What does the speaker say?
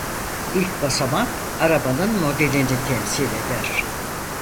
İlk basamak arabanın modelini temsil eder.